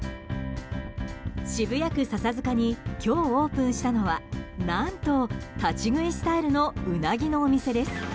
渋谷区笹塚に今日オープンしたのは何と、立ち食いスタイルのうなぎのお店です。